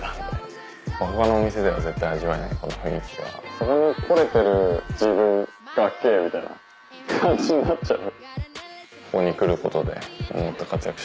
そこに来れてる自分かっけぇみたいな感じになっちゃう。